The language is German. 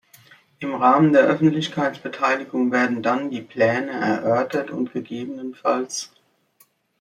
Im Rahmen der Öffentlichkeitsbeteiligung werden dann die Pläne erörtert und ggf.